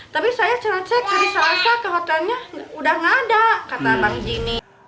tapi saya celah cek hari selasa ke hotelnya udah nggak ada kata bang jimmy